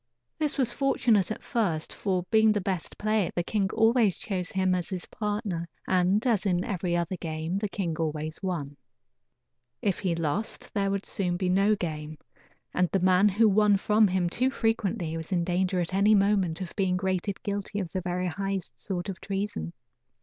This was fortunate at first; for being the best player the king always chose him as his partner, and, as in every other game, the king always won. If he lost there would soon be no game, and the man who won from him too frequently was in danger at any moment of being rated guilty of the very highest sort of treason.